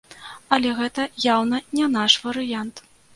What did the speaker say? Але гэта яўна не наш варыянт.